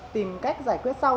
tìm cách giải quyết sau